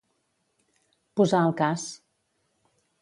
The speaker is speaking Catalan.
Posar el cas.